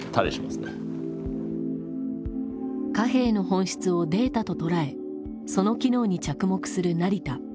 貨幣の本質をデータと捉えその機能に着目する成田。